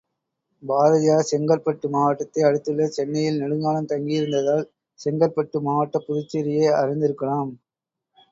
பாரதியார் செங்கற்பட்டு மாவட்டத்தை அடுத்துள்ள சென்னையில் நெடுங்காலம் தங்கியிருந்ததால், செங்கற்பட்டு மாவட்டப் புதுச்சேரியை அறிந்திருக்கலாம்.